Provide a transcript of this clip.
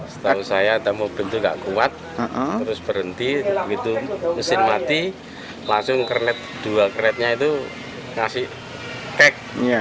setahu saya mobil itu gak kuat terus berhenti begitu mesin mati langsung kernet dua kernetnya itu ngasih kek